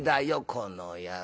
この野郎。